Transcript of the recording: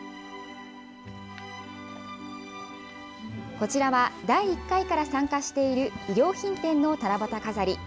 こちらは第１回から参加している衣料品店の七夕飾り。